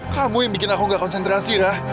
kamu yang bikin aku gak konsentrasi ya